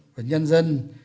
và nhân dân